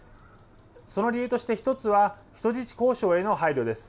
その理由として、１つは人質交渉への配慮です。